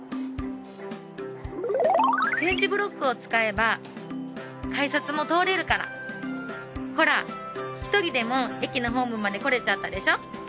点字ブロックを使えば改札も通れるからほら１人でも駅のホームまで来れちゃったでしょ？